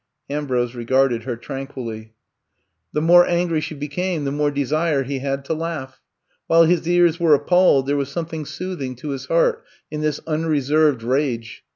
Ambrose regarded her tranquilly. The 70 I'VE COME TO STAY more angry she became the more desire he had to laugh. While his ears were ap palledy there was something soothing to his heart in this unreserved rage.